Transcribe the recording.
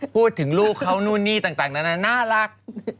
พูดถึงลูกเขานู่นนี่ต่างนานาน่ารัก